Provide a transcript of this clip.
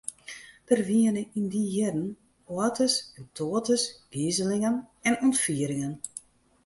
Der wiene yn dy jierren oates en toates gizelingen en ûntfieringen.